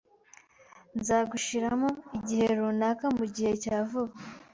Nzagushiramo igihe runaka mugihe cya vuba.